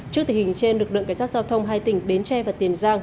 trước tình hình trên lực lượng cảnh sát giao thông hai tỉnh bến tre và tiền giang